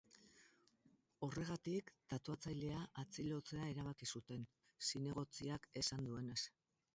Horregatik, tatuatzailea atxilotzea erabaki zuten, zinegotziak esan duenez.